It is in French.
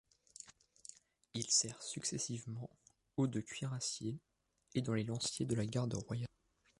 Il sert successivement au de cuirassiers, et dans les lanciers de la Garde royale.